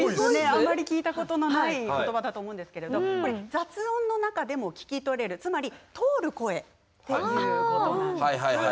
あまり聞いたことのない言葉だと思うんですけれど雑音の中でも聞き取れるつまり通る声ということです。